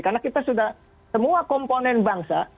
karena kita sudah semua komponen bangsa